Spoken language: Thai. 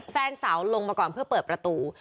แฟนสาวลงมาก่อนเพื่อเปิดประตู